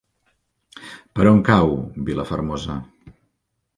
Per on cau Vilafermosa?